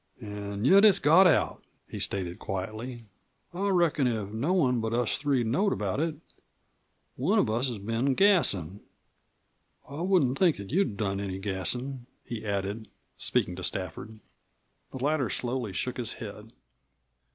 "An' yet it's got out," he stated quietly. "I reckon if no one but us three knowed about it, one of us has been gassin'. I wouldn't think that you'd done any gassin'," he added, speaking to Stafford. The latter slowly shook his head.